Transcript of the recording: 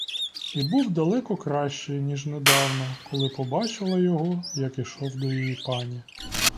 І був далеко кращий ніж недавно, коли побачила його, як ішов до її пані.